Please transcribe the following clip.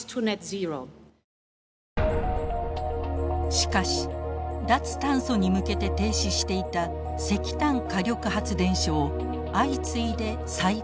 しかし脱炭素に向けて停止していた石炭火力発電所を相次いで再稼働。